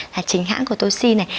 là chính hãng của toshi này